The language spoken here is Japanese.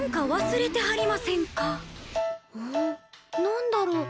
何だろう？